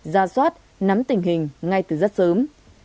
ra soát nắm tình hình ngay từ rất sớm